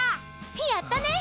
やったね！